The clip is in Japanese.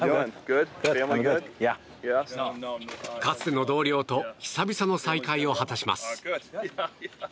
かつての同僚と久々の再会を果たします。